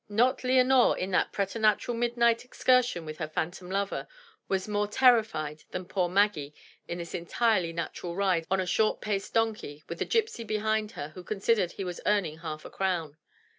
Not Leonore, in that preternatural midnight excursion with her phantom lover, was more terrified than poor Maggie in this entirely natural ride on a short paced donkey, with a gypsy behind her who considered he was earning half a crown.